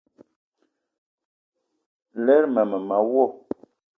Lerma mema wo.